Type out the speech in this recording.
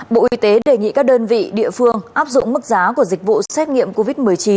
bộ y tế đề nghị các đơn vị địa phương áp dụng mức giá của dịch vụ xét nghiệm covid một mươi chín